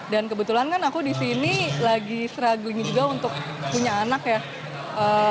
dan kebetulan kan aku disini lagi seraguni juga untuk punya anak ya